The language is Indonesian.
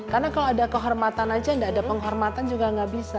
karena kalau ada kehormatan aja gak ada penghormatan juga gak bisa